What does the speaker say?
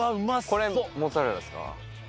これモッツァレラですか？